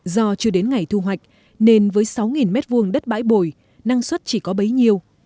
do chưa đến ngày thu hoạch nên với sáu m hai đất bãi bồi năng suất chỉ có bấy nhiêu